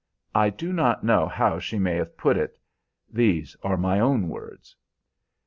I do not know how she may have put it these are my own words.